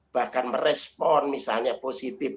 bahkan merespon misalnya positif